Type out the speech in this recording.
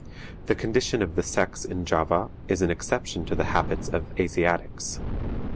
The condition of the sex in Java is an exception to the habits of Asiatics.